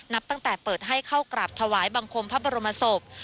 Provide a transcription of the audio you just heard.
นับตั้งแต่เปิดให้เข้ากราบถวายบังคมพระบรมศพ